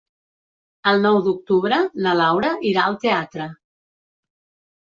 El nou d'octubre na Laura irà al teatre.